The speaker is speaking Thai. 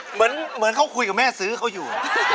เหมือนเขาคุยกับแม่ซื้อเขาอยู่